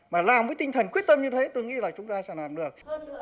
mà làm với tinh thần quyết tâm như thế tôi nghĩ là chúng ta sẽ làm được